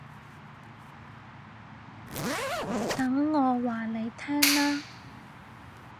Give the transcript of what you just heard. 等我話你聽啦